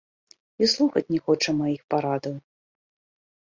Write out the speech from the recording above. І слухаць не хоча маіх парадаў.